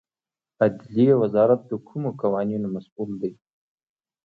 عدلیې وزارت د کومو قوانینو مسوول دی؟